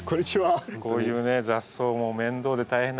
こういうね雑草もう面倒で大変な人にね